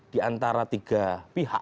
di antara tiga pihak